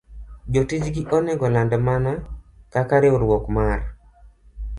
Jotichgi onego land mana kaka riwruok mar